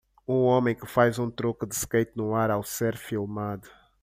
Um homem que faz um truque do skate no ar ao ser filmado.